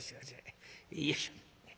よいしょ。